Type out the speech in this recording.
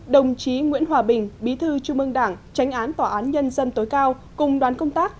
đồng chí nguyễn hòa bình bí thư trung ương đảng tránh án tòa án nhân dân tối cao cùng đoàn công tác